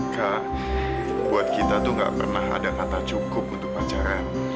kak buat kita tuh gak pernah ada kata cukup untuk pacaran